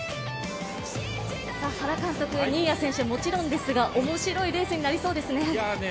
原監督、新谷選手、もちろんですが面白いレースになりそうですね。